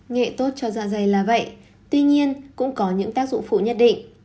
nghệ tốt cho dạ dày là vậy tuy nhiên cũng có những tác dụng phụ nhất định